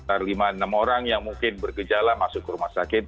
ada lima enam orang yang mungkin bergejala masuk ke rumah sakit